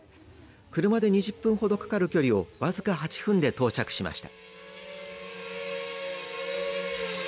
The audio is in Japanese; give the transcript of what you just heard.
車で２０分ほどかかる距離をわずか８分で到着しました。